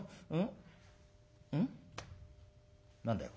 何だよ？